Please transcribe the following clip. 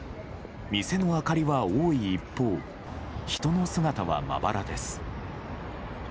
店の明かりは多い一方人の姿はまばらです。